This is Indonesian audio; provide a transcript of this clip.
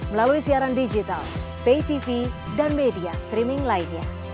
melalui siaran digital pay tv dan media streaming lainnya